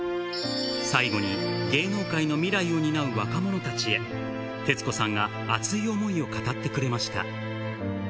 最後に、芸能界の未来を担う若者たちへ、徹子さんが熱い想いを語ってくれました。